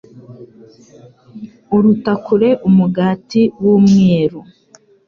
Uruta Kure Umugati w’Umweru